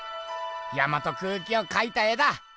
山と空気を描いた絵だ。